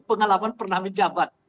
pengalaman pernah menjambat